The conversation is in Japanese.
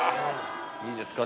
いいですか